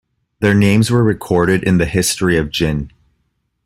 Their names were recorded in the "History of Jin".